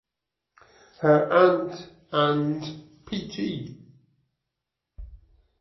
Her Aunt and Pt.